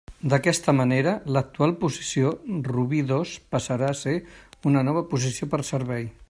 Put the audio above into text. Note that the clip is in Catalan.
D'aquesta manera, l'actual posició Rubí dos passarà a ser una nova posició per servei.